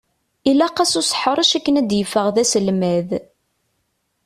Ilaq-as useḥṛec akken ad d-yeffeɣ d aselmad!